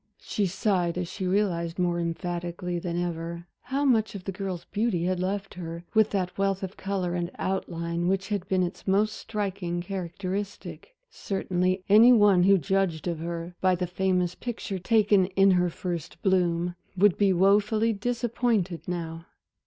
She sighed as she realized, more emphatically than ever, how much of the girl's beauty had left her with that wealth of color and outline which had been its most striking characteristic. Certainly any one who judged of her by the famous picture, taken in her first bloom, would be wofully disappointed now.